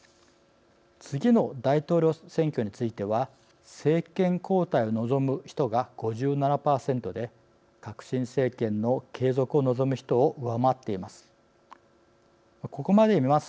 次の大統領選挙については政権交代を望む人が５７％で革新政権の継続を望む人を上回っています。